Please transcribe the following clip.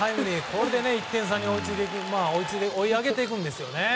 これで１点差に追い上げていくんですよね。